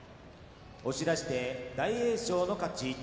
押し出して大栄翔の勝ち。